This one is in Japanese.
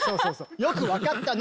よく分かったな！